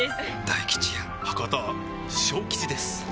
大吉や博多小吉ですあぁ！